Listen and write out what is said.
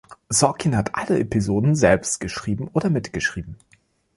Sorkin hat alle Episoden selbst geschrieben oder mitgeschrieben.